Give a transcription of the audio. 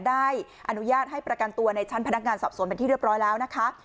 ได้อนุญาตให้ประกันตัวในชั้นพนักงานสอบสวนเป็นที่เรียบร้อยแล้วนะคะ